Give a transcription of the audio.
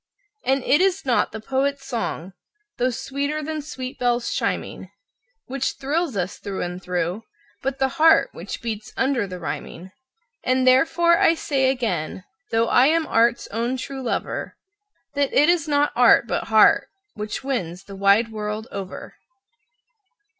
And it is not the poet's song, though sweeter than sweet bells chiming, Which thrills us through and through, but the heart which beats under the rhyming. And therefore I say again, though I am art's own true lover, That it is not art, but heart, which wins the wide world over.